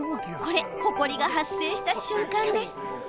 ほこりが発生した瞬間です。